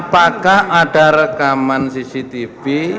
apakah ada rekaman cctv